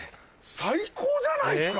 最高じゃないですか。